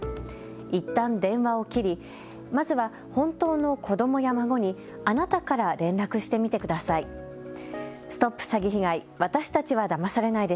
いったん電話を切り、まずは本当の子どもや孫にあなたから連絡してみてください。